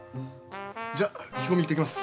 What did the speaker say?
じゃあ聞き込み行ってきます。